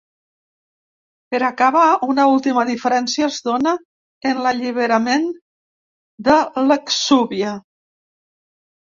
Per acabar, una última diferència es dóna en l’alliberament de l’exúvia.